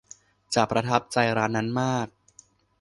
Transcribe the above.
จะประทับใจร้านนั้นมาก